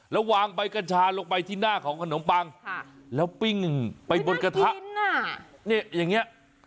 แล้ววางใบกัญชาลงไปที่หน้าของขนมปังแล้วปิ้งไปบนกระทะ